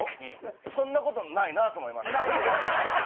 そんな事ないなと思いました。